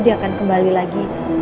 dia akan kembali lagi